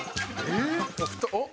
えっ！